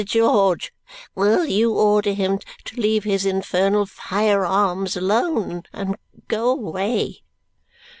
George, will you order him to leave his infernal fire arms alone and go away?"